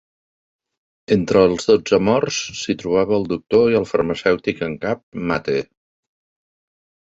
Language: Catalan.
Entre els dotze morts s'hi trobava el doctor i el farmacèutic en cap Mate.